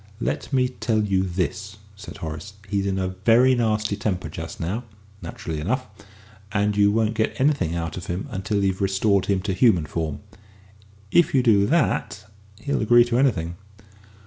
"Let me tell you this," said Horace: "he's in a very nasty temper just now, naturally enough, and you won't get anything out of him until you have restored him to human form. If you do that, he'll agree to anything."